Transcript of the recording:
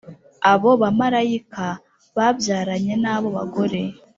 Abo bamarayika babyaranye n abo bagore